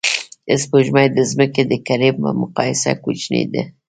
سپوږمۍ د ځمکې د کُرې په مقایسه کوچنۍ ده